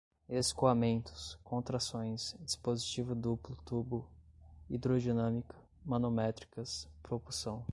escoamentos, contrações, dispositivo duplo tubo, hidrodinâmica, manométricas, propulsão